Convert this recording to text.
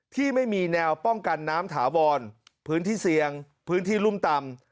ที่ไม่มีแนวป้องกันน้ำถาวรพื้นที่เสี่ยงพื้นที่รุ่มต่ำ